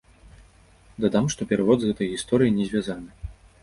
Дадам, што перавод з гэтай гісторыяй не звязаны.